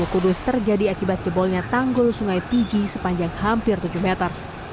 kudus terjadi akibat jebolnya tanggul sungai piji sepanjang hampir tujuh meter